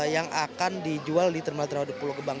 yang akan dijual di termal terpadu pulau gebang